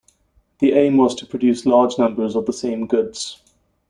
The aim was to produce large numbers of the same goods.